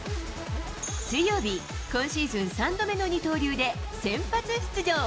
水曜日、今シーズン３度目の二刀流で先発出場。